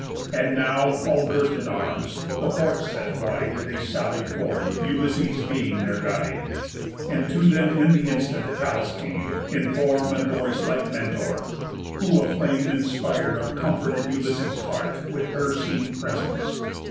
And now, all girt in arms, the ports set wide, They sallied forth, Ulysses being their guide; And to them in the instant Pallas came, In form and voice like Mentor, who a flame Inspir'd of comfort in Ulysses' heart With her seen presence.